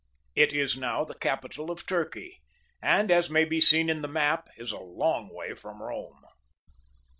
It is now the capital of Turkey, and, as may be seen in the map, is a long way from Bome.